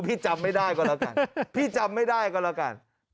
พี่จำไม่ได้ก็แล้วกัน